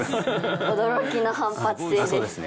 驚きの反発性です！